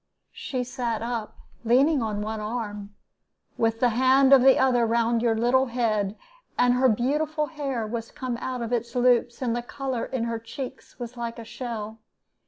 She sat up, leaning on one arm, with the hand of the other round your little head, and her beautiful hair was come out of its loops, and the color in her cheeks was like a shell.